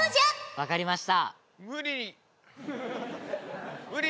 分かりました。